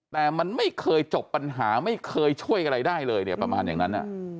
แต่มันไม่เคยจบปัญหาไม่เคยช่วยอะไรได้เลยเนี่ยประมาณอย่างนั้น